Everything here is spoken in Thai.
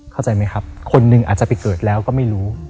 เข้าใจไหมครับคนหนึ่งอาจจะไปเกิดแล้วก็ไม่รู้